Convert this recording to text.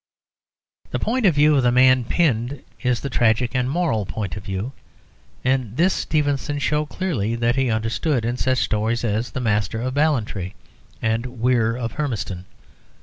The point of view of the man pinned is the tragic and moral point of view, and this Stevenson showed clearly that he understood in such stories as "The Master of Ballantrae" and "Weir of Hermiston."